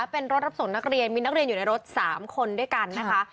เป็นรถรับส่งนักเรียนมีนักเรียนอยู่ในรถ๓คนด้วยกันนะคะ